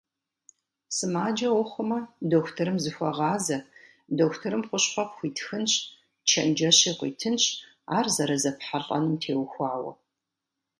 Сымаджэ ухъумэ, дохутырым зыхуэгъазэ, дохутырым хущхъуэ пхуитхынщ, чэнджэщи къуитынщ ар зэрызэпхьэлӀэнум теухуауэ.